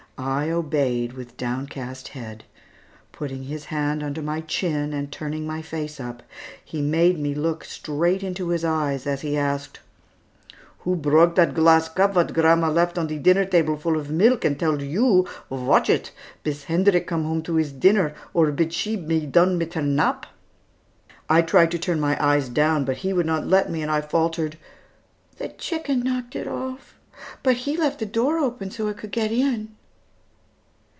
I obeyed with downcast head. Putting his hand under my chin, and turning my face up, he made me look straight into his eyes, as he asked, "Who broke dat glass cup vat grandma left on die dinner table full of milk, and telled you watch it bis Hendrik come to his dinner, or bis she be done mit her nap?" I tried to turn my eyes down, but he would not let me, and I faltered, "The chicken knocked it off, but he left the door open so it could get in."